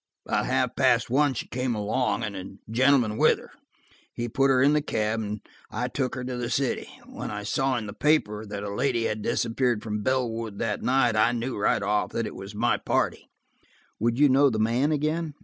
About half past one she came along, and a gentleman with her. He put her in the cab, and I took her to the city. When I saw in the paper that a lady had disappeared from Bellwood that night, I knew right off that it was my party." "Would you know the man again?"